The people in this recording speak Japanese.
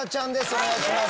お願いします。